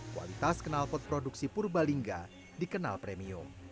kualitas kenalpot produksi purbalingga dikenal premium